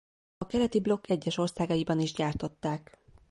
A keleti blokk egyes országaiban is gyártották.